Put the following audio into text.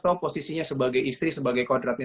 tau posisinya sebagai istri sebagai kawadratnya